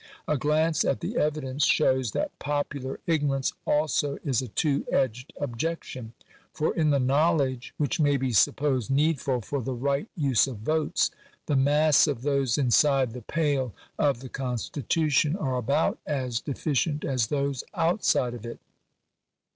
A glance at the evidence shows that popular ignorance also is a two edged objection ; for, in the knowledge which may be supposed needful for the right use of votes, the mass of those inside the pale of the constitu tion are about as deficient as those outside of it.